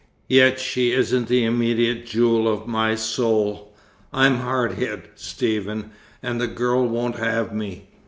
"Yet she isn't the immediate jewel of my soul. I'm hard hit, Stephen, and the girl won't have me.